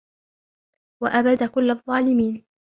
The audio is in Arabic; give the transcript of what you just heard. وأباد كل الظالمين